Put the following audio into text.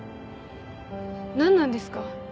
なんなんですか？